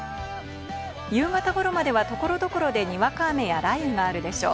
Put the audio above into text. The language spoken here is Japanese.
夕方ごろまでは所々でにわか雨や雷雨があるでしょう。